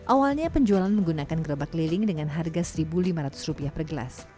awalnya penjualan menggunakan gerobak keliling dengan harga rp satu lima ratus per gelas